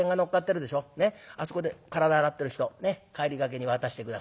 あそこで体洗ってる人ねっ帰りがけに渡して下さい。